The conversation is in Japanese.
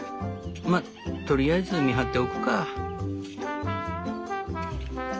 まとりあえず見張っておくか」。